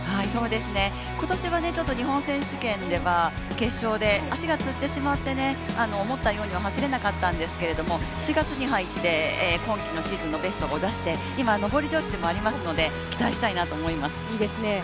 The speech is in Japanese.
決勝で足がつってしまって、思ったように走れなかったんですけども７月に入って、今季のシーズンのベストを出して今、のぼり調子でもありますので期待したいです。